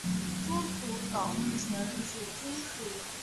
中途岛目前仍是军事要地。